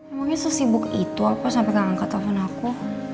emangnya sesibuk itu apa sampai kagak angkat telpon aku